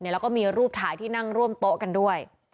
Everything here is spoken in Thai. แล้วก็มีรูปถ่ายที่นั่งร่วมโต๊ะกันด้วย